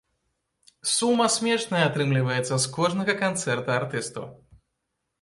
Сума смешная атрымліваецца з кожнага канцэрта артысту.